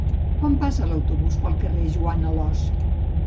Quan passa l'autobús pel carrer Joan d'Alòs?